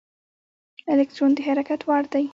الکترون د حرکت وړ دی.